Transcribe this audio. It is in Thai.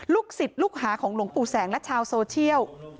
ศิษย์ลูกหาของหลวงปู่แสงและชาวโซเชียล